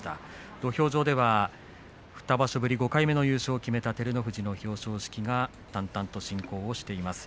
土俵上では２場所ぶり５回目の優勝を決めた照ノ富士の表彰式が淡々と進行しています。